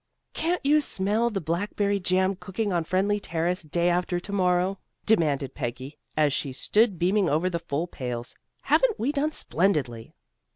"Can't you smell the blackberry jam cooking on Friendly Terrace day after to morrow?" demanded Peggy, as she stood beaming over the full pails. "Haven't we done splendidly?"